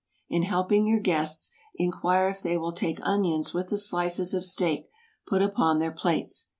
In helping your guests, inquire if they will take onions with the slices of steak put upon their plates.